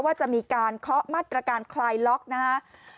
ว่าจะมีการเคาะมาตรการคลายล็อกนะครับ